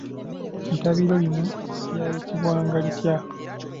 Ettambiro lino lyayitibwanga litya?